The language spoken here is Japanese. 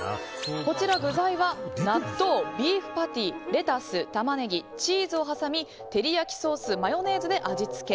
こちら、具材は納豆、ビーフパティレタス、タマネギ、チーズを挟み照り焼きソースマヨネーズで味付け。